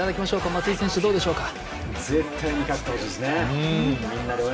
松井選手、どうでしょうか？